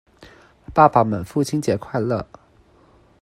爸爸們父親節快樂！